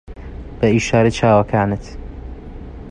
بە ئیشارەی چاوەکانت